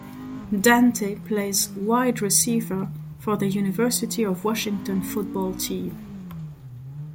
Dante plays wide receiver for the University of Washington football team.